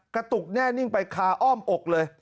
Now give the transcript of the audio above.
กระตุกแน่นิ่งไปคาอ้อมอกเลย